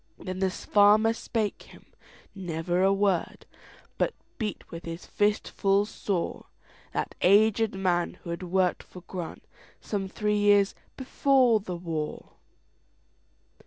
Then the farmer spake him never a word, But beat with his fist full soreThat aged man, who had worked for GrantSome three years before the war.